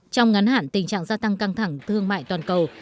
trong ngắn hạn tình trạng gia tăng căng thẳng thương mại toàn cầu